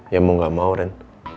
ya mau nggak mau ren